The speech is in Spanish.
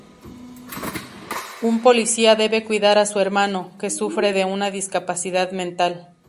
Un policía debe cuidar a su hermano, que sufre de una discapacidad mental.